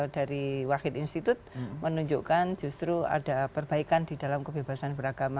dari wakil institut menunjukkan justru ada perbaikan di dalam kebebasan beragama